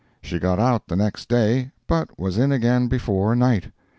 She got out the next day, but was in again before night.